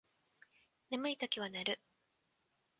眠いときは寝る